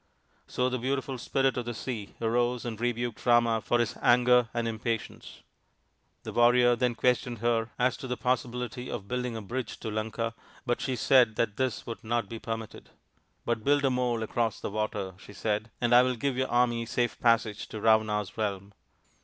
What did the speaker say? So the beautiful Spirit of the Sea arose and rebuked Rama for his anger and impatience. The warrior then questioned her as to the possibility of building a bridge to Lanka, but she said that this would not be permitted. " But build a mole across the water/' she said, " and I will give your army safe passage to Ravana's realm."